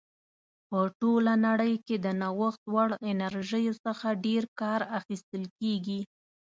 په ټوله نړۍ کې د نوښت وړ انرژیو څخه ډېر کار اخیستل کیږي.